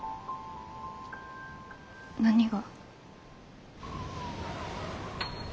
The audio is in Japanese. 何が？